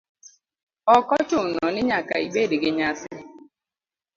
Ok ochuno ni nyaka ibed gi nyasi.